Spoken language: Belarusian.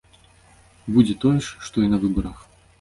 Будзе тое ж, што і на выбарах.